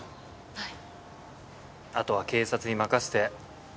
はい。